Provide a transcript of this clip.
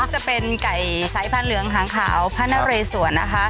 จะเป็นไก่ไซส์พันธ์เหลืองหางขาวพาณเรซวรนะคะ